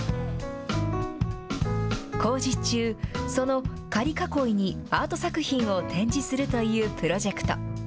工事中、その仮囲いにアート作品を展示するというプロジェクト。